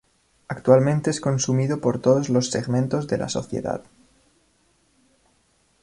Actualmente es consumido por todos los segmentos de la sociedad.